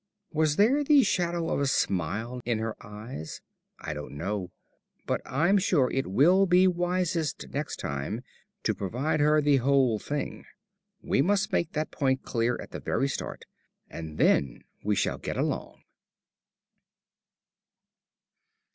Was there the shadow of a smile in her eyes? I don't know. But I'm sure it will be wisest next time to promise her the whole thing. We must make that point clear at the very start, and then we shall get along.